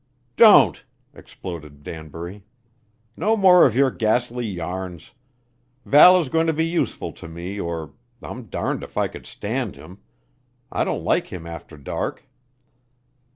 "Don't!" exploded Danbury. "No more of your ghastly yarns! Val is going to be useful to me or I'm darned if I could stand him. I don't like him after dark."